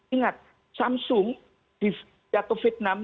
ingat samsung jatuh vietnam